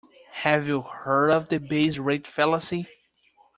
Have you heard of the base rate fallacy?